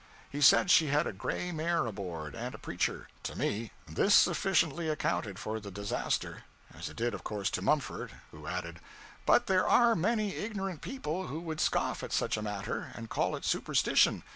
He said she had a gray mare aboard, and a preacher. To me, this sufficiently accounted for the disaster; as it did, of course, to Mumford, who added 'But there are many ignorant people who would scoff at such a matter, and call it superstition.